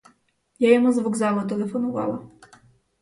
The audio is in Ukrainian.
Я йому з вокзалу телефонувала.